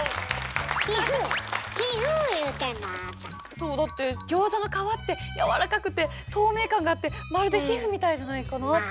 そうだってギョーザの皮ってやわらかくて透明感があってまるで皮膚みたいじゃないかなって。